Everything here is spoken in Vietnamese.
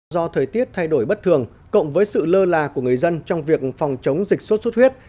do thời tiết thay đổi bất thường cộng với sự lơ là của người dân trong việc phòng chống dịch sốt xuất huyết